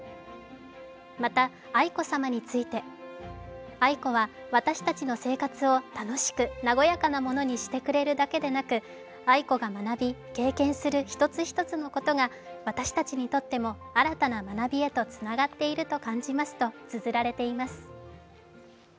また、愛子さまについて、愛子は私たちの生活を楽しく、和やかな者にしてくれるだけでなく愛子が学び経験する一つ一つのことが私たちにとっても新たな学びにつながっていくと感じますとつづられています。